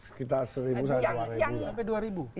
sekitar seribu sampai dua ribu